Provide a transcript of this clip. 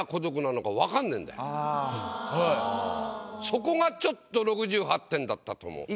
そこがちょっと６８点だったと思う。